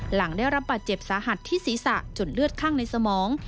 หลังได้รับบาดเจ็บสาหัสที่ศีรษะจนเลือดข้างในสมอง